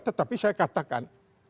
tetapi saya katakan